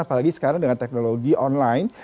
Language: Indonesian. apalagi sekarang dengan teknologi online